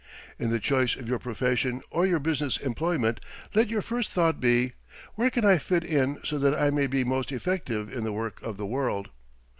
In the choice of your profession or your business employment, let your first thought be: Where can I fit in so that I may be most effective in the work of the world?